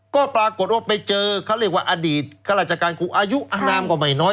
ก็ปรากฏว่าไปเจอเขาเรียกว่าอดีตข้าราชการครูอายุอนามก็ไม่น้อย